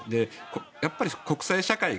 やっぱり国際社会が